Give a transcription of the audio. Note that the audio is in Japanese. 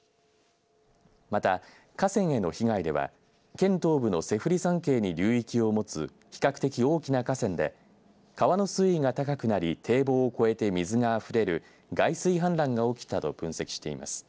また、河川への被害では県東部の脊振山系に流域を持つ比較的大きな河川で川の水位が高くなり堤防を越えて水があふれる外水氾濫が起きたと分析しています。